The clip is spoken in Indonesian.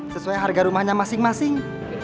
sesuai harga rumahnya masing masing